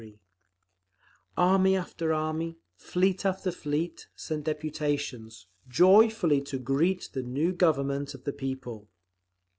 3) Army after army, fleet after fleet, sent deputations, "joyfully to greet the new Government of the People."